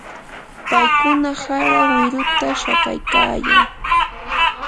paykuna hara wiruta shakaykaayan.